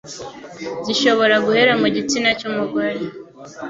zishobora guhera mu gitsina cy'umugore